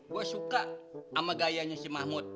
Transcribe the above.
gua suka ama gayanya si mahmud